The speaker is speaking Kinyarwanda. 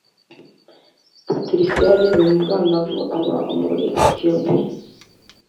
patricia yageze mu bwangavu aba muri etiyopiya,